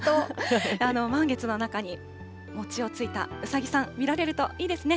満月の中に、餅をついたうさぎさん、見られるといいですね。